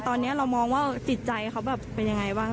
ตอนนี้เรามองว่าติดใจเขาเป็นอย่างไรบ้าง